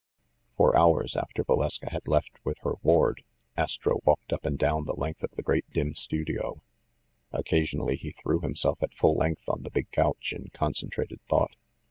For hours after Valeska had left with her ward, As tro walked up and down the length of the great dim studio. Occasionally he threw himself at full length on the big couch in concentrated thought.